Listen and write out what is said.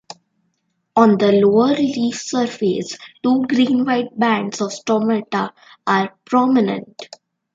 On the lower leaf surface, two green-white bands of stomata are prominent.